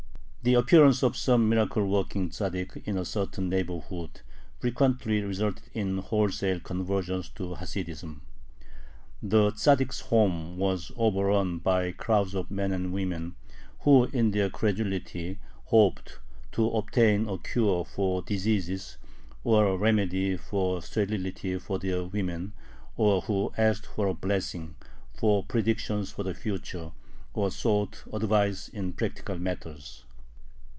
The appearance of some miracle working Tzaddik in a certain neighborhood frequently resulted in wholesale conversions to Hasidism. The Tzaddik's home was overrun by crowds of men and women who in their credulity hoped to obtain a cure for diseases or a remedy for the sterility of their women, or who asked for a blessing, for predictions of the future, or sought advice in practical matters.